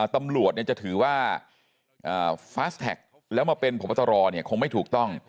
ตำรวจเนี่ยจะถือว่าอ่าแล้วมาเป็นพพตรเนี่ยคงไม่ถูกต้อง